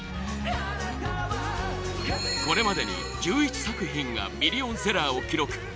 これまでに１１作品がミリオンセラーを記録